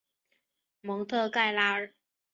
蒙特盖拉尔。